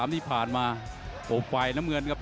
ที่ผ่านมาโหไฟล์น้ำเมืองกับ